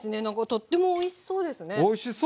とってもおいしそうですね。